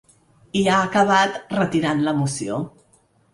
I ha acabat retirant la moció.